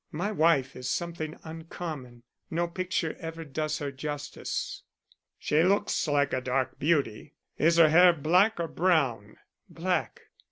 My wife is something uncommon. No picture ever does her justice." "She looks like a dark beauty. Is her hair black or brown?" "Black.